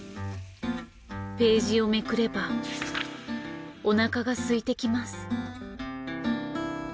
ページをめくればおなかが空いてきます。